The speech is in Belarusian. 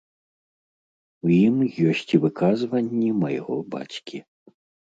У ім ёсць і выказванні майго бацькі.